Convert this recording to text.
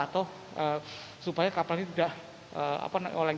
atau supaya kapalnya tidak oleh